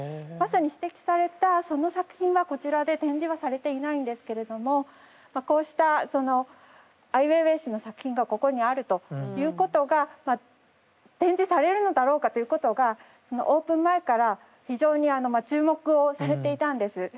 まさに指摘されたその作品はこちらで展示はされていないんですけれどもこうしたそのアイウェイウェイ氏の作品がここにあるということが展示されるのだろうかということがオープン前から非常にあのまあ注目をされていたんです。